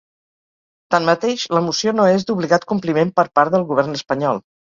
Tanmateix, la moció no és d’obligat compliment per part del govern espanyol.